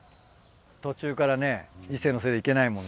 途中からねいっせのせで行けないもんね。